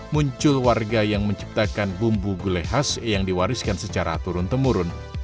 muncul warga yang menciptakan bumbu gulai khas yang diwariskan secara turun temurun